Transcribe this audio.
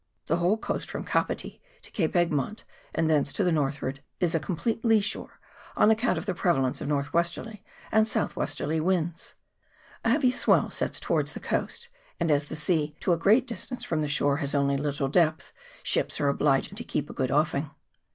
The whole coast from Kapiti to Cape Egmont, and thence to the northward, is a complete lee shore, on account of the prevalence of north westerly and south westerly winds ; a heavy swell sets towards the coast, and, as the sea to a great distance from the shore has only little depth, ships are obliged to keep a good offing.